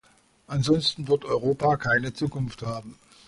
Ansonsten wird Europa keine Zukunft haben.